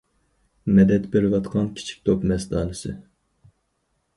مەدەت بېرىۋاتقان كىچىك توپ مەستانىسى.